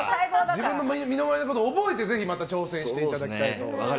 自分の身の回りのことを覚えてぜひまた挑戦してもらいたいと思います。